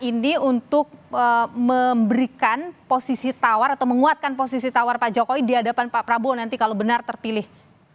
ini untuk memberikan posisi tawar atau menguatkan posisi tawar pak jokowi di hadapan pak prabowo nanti kalau benar terpilih